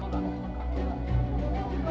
lempel semua ya